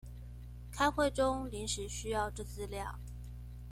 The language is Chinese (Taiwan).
開會中臨時需要之資料